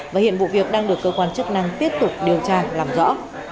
và hiện vụ việc đang được cơ quan chức năng tiếp tục điều tra làm rõ